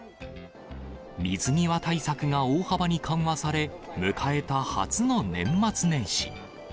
水際対策が大幅に緩和され、迎えた初の年末年始。